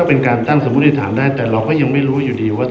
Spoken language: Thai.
เพราะมันอยู่แล้ว